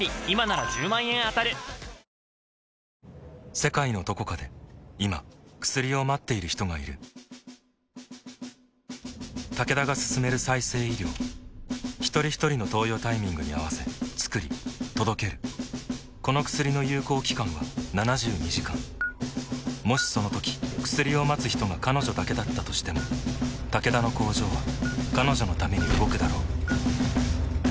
世界のどこかで今薬を待っている人がいるタケダが進める再生医療ひとりひとりの投与タイミングに合わせつくり届けるこの薬の有効期間は７２時間もしそのとき薬を待つ人が彼女だけだったとしてもタケダの工場は彼女のために動くだろう